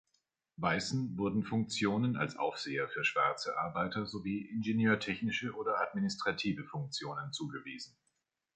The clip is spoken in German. Weißen wurden Funktionen als Aufseher für schwarze Arbeiter sowie ingenieurtechnische oder administrative Funktionen zugewiesen.